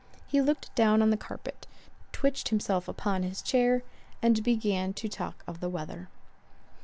He looked down on the carpet—twitched himself upon his chair—and began to talk of the weather.